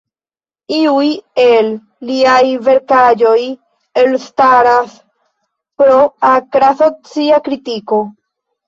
Iuj el liaj verkaĵoj elstaras pro akra socia kritiko.